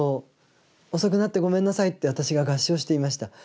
遅くなってごめんなさいって私が合掌していました。